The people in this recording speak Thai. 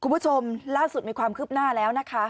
คุณผู้ชมล่าสุดมีความคืบหน้าแล้วนะคะ